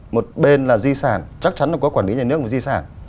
một bên là di sản chắc chắn là có quản lý nhà nước về di sản